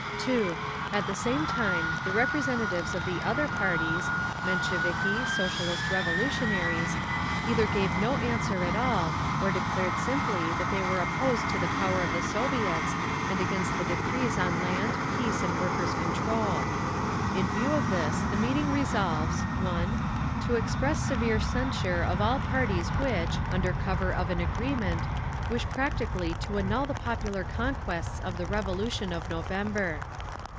"2. At the same time the representatives of the other parties (Mensheviki, Socialist Revolutionaries) either gave no answer at all, or declared simply that they were opposed to the power of the Soviets and against the decrees on Land, Peace and Workers' Control. "In view of this the meeting resolves: "'1. To express severe censure of all parties which, under cover of an agreement, wish practically to annul the popular conquests of the Revolution of November.